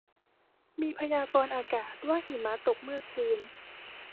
มีพยากรณ์อากาศว่าหิมะตกเมื่อคืน